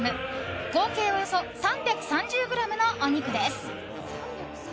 合計およそ３３０ｇのお肉です。